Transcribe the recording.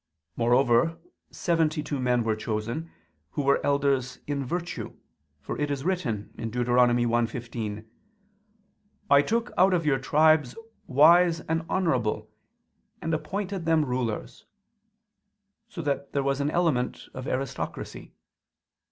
Moreover, seventy two men were chosen, who were elders in virtue: for it is written (Deut. 1:15): "I took out of your tribes wise and honorable, and appointed them rulers": so that there was an element of aristocracy.